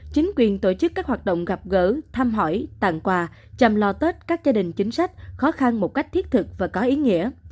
chính quyền tổ chức các hoạt động gặp gỡ thăm hỏi tặng quà chăm lo tết các gia đình chính sách khó khăn một cách thiết thực và có ý nghĩa